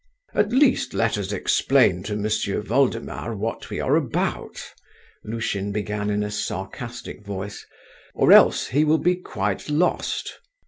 "At least let us explain to Mr. Voldemar what we are about," Lushin began in a sarcastic voice, "or else he will be quite lost.